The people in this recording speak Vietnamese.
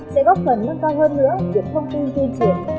sẽ góp phần nâng cao hơn nữa việc thông tin tuyên truyền